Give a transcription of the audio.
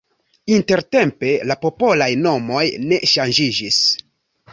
Intertempe la popolaj nomoj ne ŝanĝiĝis.